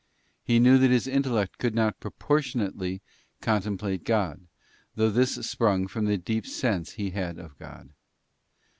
He knew that his intellect could not proportionately contemplate God, though _ this sprung from the deep sense he had of God.